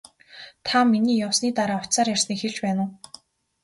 Та миний явсны дараа утсаар ярьсныг хэлж байна уу?